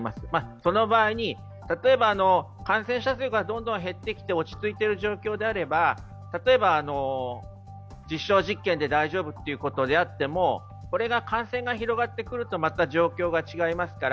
その場合に、感染者数がどんどん減ってきて落ち着いてる状況であれば、例えば実証実験で大丈夫ということであってもこれが感染が広がってくるとまた状況が違いますから。